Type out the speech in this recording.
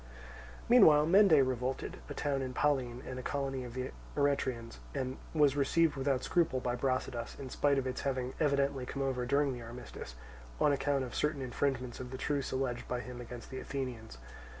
Meanwhile Mende revolted, a town in Pallene and a colony of the Eretrians, and was received without scruple by Brasidas, in spite of its having evidently come over during the armistice, on account of certain infringements of the truce alleged by him against the Athenians.